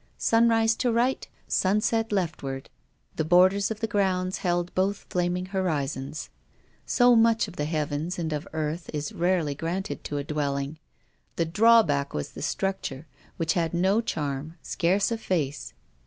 Sunrise to right, sunset leftward, the borders of the grounds held both flaming horizons. So much of the heavens and of earth is rarely granted to a dwelling. The drawback was the structure, which had no charm, scarce a face.